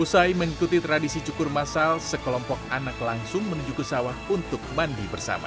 usai mengikuti tradisi cukur masal sekelompok anak langsung menuju ke sawah untuk mandi bersama